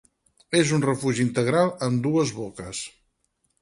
És un refugi integral amb dues boques.